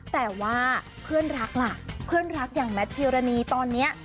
แต่ว่าเพื่อนรักล่ะเพื่อนรักอย่างแมทพิวรณีตอนนี้